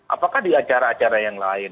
apakah di acara acara yang lain